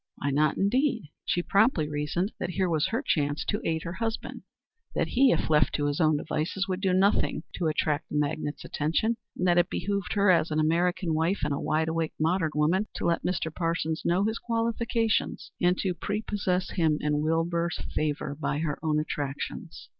Why not, indeed? She promptly reasoned that here was her chance to aid her husband; that he, if left to his own devices, would do nothing to attract the magnate's attention, and that it behooved her, as an American wife and a wide awake, modern woman, to let Mr. Parsons know his qualifications, and to prepossess him in Wilbur's favor by her own attractions.